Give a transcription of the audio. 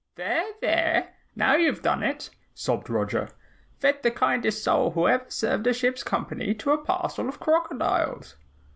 "There, there! Now you've done it!" sobbed Roger. "Fed the kindest soul who ever served a ship's company to a parcel of crocodiles!"